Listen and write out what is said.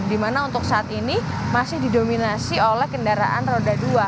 di mana untuk saat ini masih didominasi oleh kendaraan roda dua